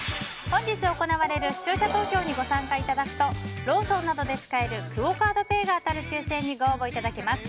本日行われる視聴者投票にご参加いただくとローソンなどで使えるクオ・カードペイが当たる抽選にご応募いただけます。